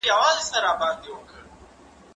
زه اوږده وخت شګه پاکوم!؟